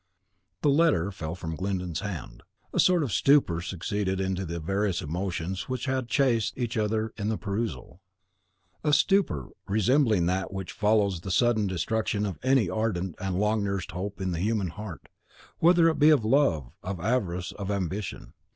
The letter fell from Glyndon's hand. A sort of stupor succeeded to the various emotions which had chased each other in the perusal, a stupor resembling that which follows the sudden destruction of any ardent and long nursed hope in the human heart, whether it be of love, of avarice, of ambition.